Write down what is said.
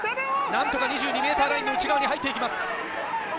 何とか２２ｍラインの内側に入っていきます。